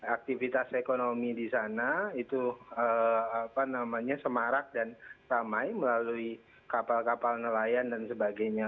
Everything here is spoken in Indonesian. aktivitas ekonomi di sana itu semarak dan ramai melalui kapal kapal nelayan dan sebagainya